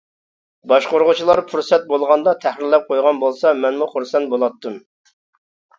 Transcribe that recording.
باشقۇرغۇچىلار پۇرسەت بولغاندا تەھرىرلەپ قويغان بولسا مەنمۇ خۇرسەن بولاتتىم.